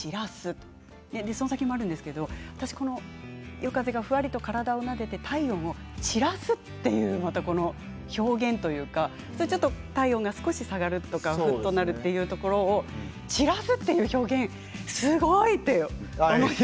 夜風がふわりと体をなでて体温を散らすという表現というか体温が少し下がるとかというところを散らすという表現すごいと思って。